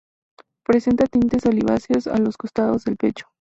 Presenta tintes oliváceos a los costados del pecho.